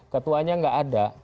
ketuanya gak ada